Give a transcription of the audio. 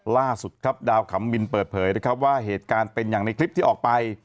ล่าสุดครับดาวขำมินเปิดเผยนะครับว่าเหตุการณ์เป็นอย่างในคลิปที่ออกไป